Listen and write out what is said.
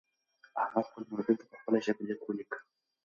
احمد خپل ملګري ته په خپله ژبه لیک ولیکه.